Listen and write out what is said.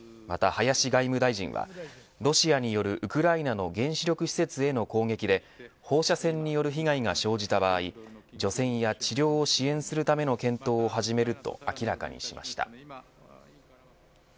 また、林外務大臣はロシアによるウクライナの原子力施設への攻撃で放射線による被害が生じた場合除染や治療を支援するための検討を始めると明らかにしました。